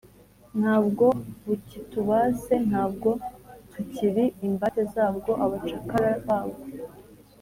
ntabwo bukitubase: ntabwo tukiri imbata zabwo, abacakara babwo